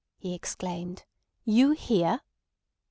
he exclaimed. "You here!"